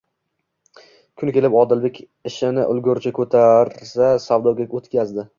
Kun kelib, Odilbek ishini ulgurji, ko'tara savdoga o'tkazdi.